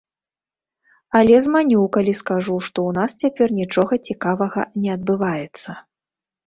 Але зманю, калі скажу, што ў нас цяпер нічога цікавага не адбываецца.